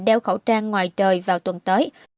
đeo khẩu trang ngoài trời vào tuần tới